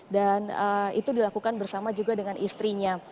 dan itu dilakukan bersama juga dengan istrinya